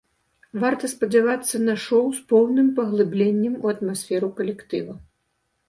Варта спадзявацца на шоў з поўным паглыбленнем у атмасферу калектыва.